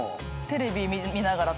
テレビ見ながら？